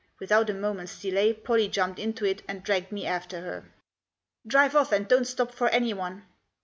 Without a moment's delay Pollie jumped into it, and dragged me after her. " Drive off, and don't stop for anyone